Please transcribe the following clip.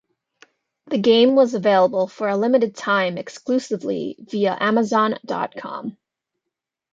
The game was available for a limited time exclusively via Amazon dot com.